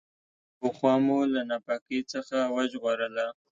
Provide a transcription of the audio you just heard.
شاوخوا مو له ناپاکۍ څخه وژغورله.